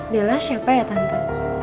bella siapa ya tante